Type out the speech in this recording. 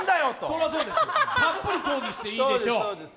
それはそうです、たっぷり抗議していいでしょう。